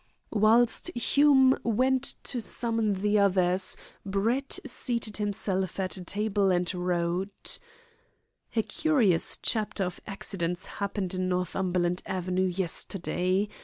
Whilst Hume went to summon the others, Brett seated himself at a table and wrote: "A curious chapter of accidents happened in Northumberland Avenue yesterday.